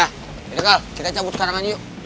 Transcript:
ayo kal kita cabut sekarang aja yuk